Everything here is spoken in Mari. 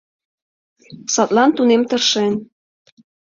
Садлан тунем тыршен